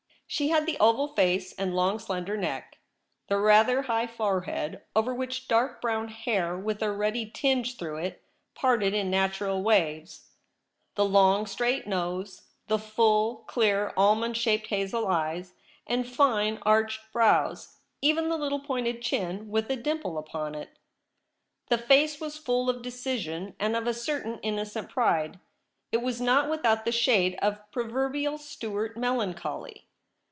She had the oval face and long slender neck, the rather high fore head, over which dark brown hair with a ruddy tinge through it parted in natural waves, the ong straight nose, the full, clear, almond shaped hazel eyes, and fine arched brows, even the little pointed chin with the dimple upon it. The face was full of decision and of a certain innocent pride ; it was not without the shade of proverbial Stuart melancholy.